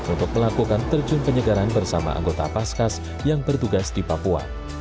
untuk melakukan terjun penyegaran bersama anggota paskas yang bertugas di papua